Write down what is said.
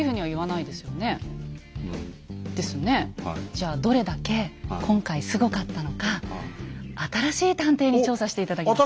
じゃあどれだけ今回すごかったのか新しい探偵に調査して頂きました。